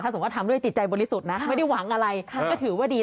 สมมุติทำด้วยจิตใจบริสุทธิ์นะไม่ได้หวังอะไรก็ถือว่าดี